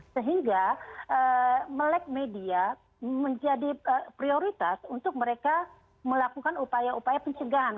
sehingga melek media menjadi prioritas untuk mereka melakukan upaya upaya pencegahan